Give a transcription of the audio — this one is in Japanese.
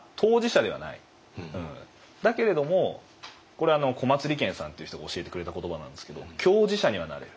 だけれどもこれ小松理虔さんって人が教えてくれた言葉なんですけど「共事者」にはなれる。